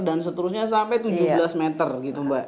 dan seterusnya sampai tujuh belas meter gitu mbak